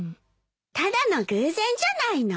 ただの偶然じゃないの？